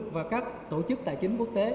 và các tổ chức tài chính quốc tế